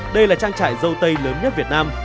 đây là trang trại dâu tây lớn nhất việt nam